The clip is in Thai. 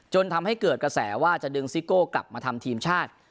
ทำให้เกิดกระแสว่าจะดึงซิโก้กลับมาทำทีมชาติ